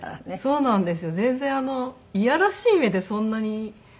そうなんです。